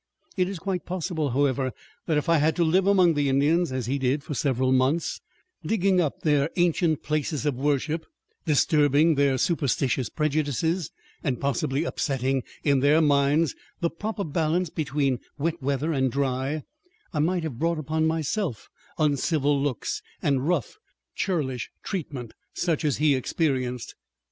It is quite possible, however, that if I had to live among the Indians, as he did for several months, digging up their ancient places of worship, disturbing their superstitious prejudices, and possibly upsetting, in their minds, the proper balance between wet weather and dry, I might have brought upon myself uncivil looks and rough, churlish treatment such as he experienced.